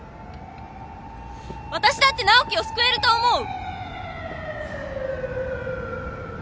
わたしだって直季を救えると思う！